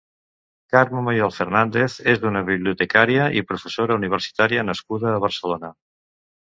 Carme Mayol Fernández és una bibliotecària i professora universitària nascuda a Barcelona.